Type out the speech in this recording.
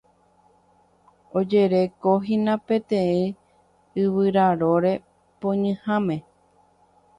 Ojerejekohína peteĩ yvyraróre poñyháme.